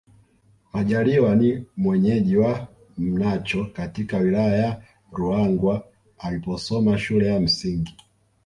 Majaliwa ni mwenyeji wa Mnacho katika Wilaya ya Ruangwa aliposoma shule ya msingi